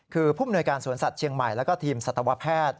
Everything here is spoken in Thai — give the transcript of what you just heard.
คือผู้มนวยการสวนสัตว์เชียงใหม่แล้วก็ทีมสัตวแพทย์